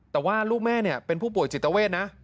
แต่ว่าลูกแม่เป็นผู้ป่วยจิตเวทนะ